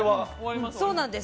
そうなんです。